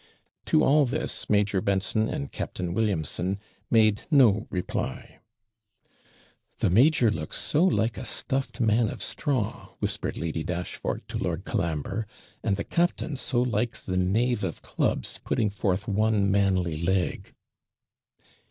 To all this Major Benson and Captain Williamson made no reply. 'The major looks so like a stuffed man of straw,' whispered Lady Dashfort to Lord Colambre; 'and the captain so like the knave of clubs, putting forth one manly leg.'